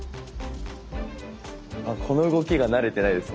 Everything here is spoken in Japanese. この動きが慣れてないです